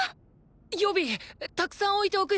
予備たくさん置いておくよ！